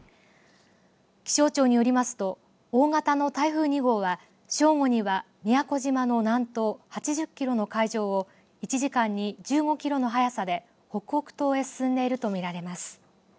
気象庁によりますと大型の台風２号は正午には宮古島の南東８０キロの海上を１時間に１５キロの速さで北北東へ進んでいると見られます。